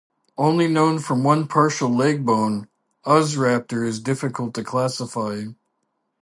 Only known from one partial leg bone, "Ozraptor" is difficult to classify.